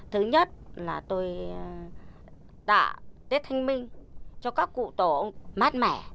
thứ nhất là tôi tạ tết thanh minh cho các cụ tổ ông mát mẻ